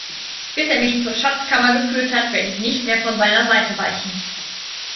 Bis er mich zur Schatzkammer geführt hat, werde ich nicht von seiner Seite weichen.